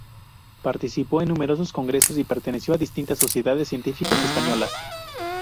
Participó en numerosos congresos y perteneció a distintas sociedades científicas españolas.